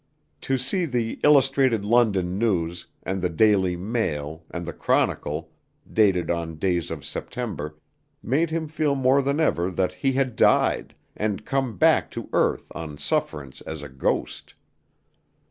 To see the Illustrated London News and the Daily Mail and the Chronicle, dated on days of September, made him feel more than ever that he had died, and come back to earth on sufferance as a ghost.